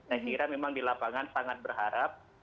saya kira memang di lapangan sangat berharap